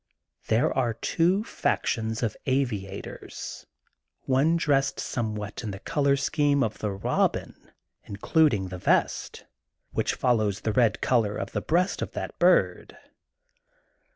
There are two factions of aviators, one dressed somewhat in the color scheme of the robin, including the vest, which follows the red color of the breast of that bird.